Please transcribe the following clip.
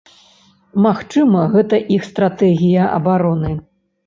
Магчыма, гэта іх стратэгія абароны.